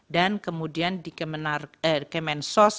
kemudian di kemensos